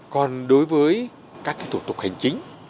còn đối với các cái thủ tục hành chính